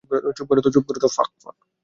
চুপ কর তো!